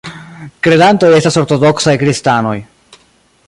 Kredantoj estas ortodoksaj kristanoj.